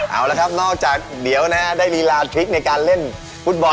เอาละครับนอกจากเดี๋ยวนะฮะได้ลีลาทริคในการเล่นฟุตบอล